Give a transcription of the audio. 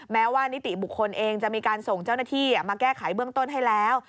แม้ว่านิติบุคคลเองจะมีการส่งเจ้าหน้าที่มาแก้ไขเบื้องต้นให้แล้ว